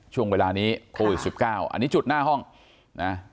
ช่วงเวลานี้โควิด๑๙อันนี้จุดหน้าห้องนะ